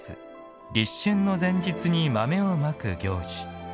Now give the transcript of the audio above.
立春の前日に豆をまく行事。